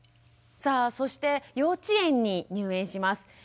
さあそして幼稚園に入園します。